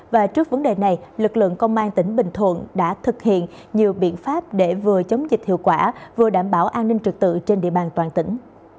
và trước vấn đề này lực lượng công an tỉnh bình thuận đã thực hiện nhiều biện pháp để vừa chống dịch hiệu quả vừa đảm bảo an ninh trực tự trên địa bàn toàn tỉnh